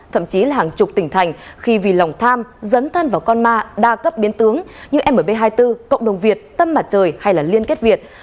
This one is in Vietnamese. thậm chí là hàng chục tỉnh thành khi vì lòng tham dấn thân vào con ma đa cấp biến tướng như mb hai mươi bốn cộng đồng việt tâm mặt trời hay liên kết việt